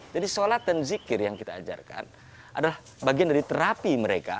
jadi sholat dan zikir yang kita ajarkan adalah bagian dari terapi mereka